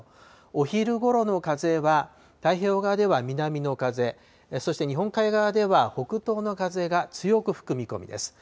お昼ごろの風は、太平洋側では南の風、そして日本海側では北東の風が強く吹く見込みです。